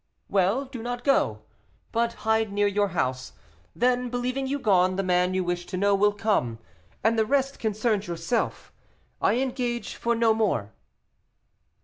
"Well, do not go, but hide near your house; then, believing you gone, the man you wish to know will come; the rest concerns yourself: I engage for no more."